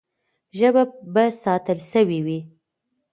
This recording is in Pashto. ژبه به ساتل سوې وي.